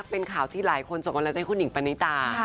เป็นข่าวที่หลายคนส่งกำลังใจให้คุณหญิงปณิตา